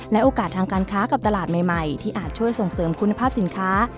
โอกาสทางการค้ากับตลาดใหม่ที่อาจช่วยส่งเสริมคุณภาพสินค้า